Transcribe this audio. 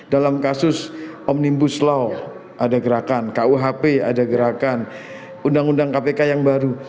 dalam kasus omnibus law ada gerakan kuhp ada gerakan undang undang kpk yang baru